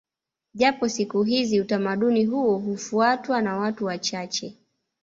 Japo siku hizi utamaduni huo hufuatwa na watu wachache